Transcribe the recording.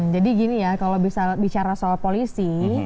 jadi gini ya kalau bicara soal polisi